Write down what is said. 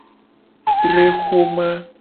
Tre xoma.